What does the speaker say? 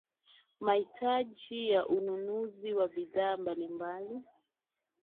mahitaji ya ununuzi wa bidhaa mbalimbali